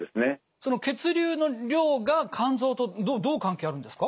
その血流の量が肝臓とどう関係あるんですか？